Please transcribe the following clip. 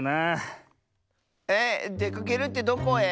ええっ？でかけるってどこへ？